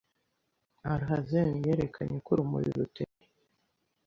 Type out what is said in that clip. Alhazen yerekanye uko urumuri ruteye,